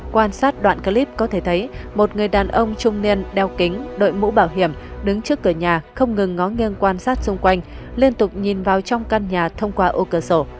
quan sát đoạn clip có thể thấy một người đàn ông trung niên đeo kính đội mũ bảo hiểm đứng trước cửa nhà không ngừng ngó nghiêng quan sát xung quanh liên tục nhìn vào trong căn nhà thông qua ô cửa sổ